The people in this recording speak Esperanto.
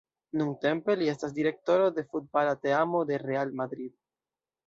Nuntempe li estas direktoro de futbala teamo de Real Madrid.